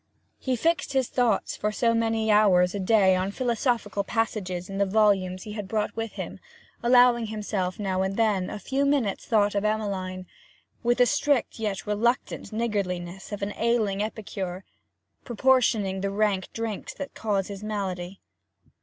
He fixed his thoughts for so many hours a day on philosophical passages in the volumes he had brought with him, allowing himself now and then a few minutes' thought of Emmeline, with the strict yet reluctant niggardliness of an ailing epicure proportioning the rank drinks that cause his malady.